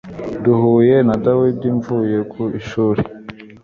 Nahuye na Dawudi mvuye ku ishuri.